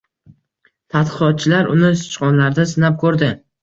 Tadqiqotchilar uni sichqonlarda sinab ko‘rdi